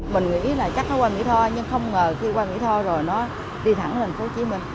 mình nghĩ là chắc nó quanh mỹ tho nhưng không ngờ khi qua mỹ tho rồi nó đi thẳng thành phố hồ chí minh